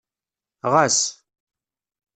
Ɣas.